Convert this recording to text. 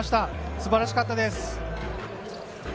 素晴らしかったです。